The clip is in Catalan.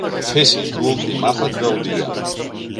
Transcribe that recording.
Fessis l'últim àpat del dia.